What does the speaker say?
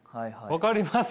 分かります？